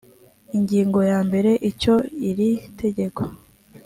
ingingo ya mbere icyo iri tegeko